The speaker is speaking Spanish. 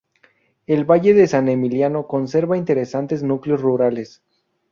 El valle de San Emiliano conserva interesantes núcleos rurales.